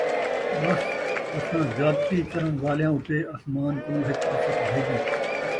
ٻس اَساں زیادتی کرݨ والیاں اُتے اسمان کنوں ہِک آفت بھیڄی،